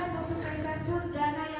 sehingga tidak ada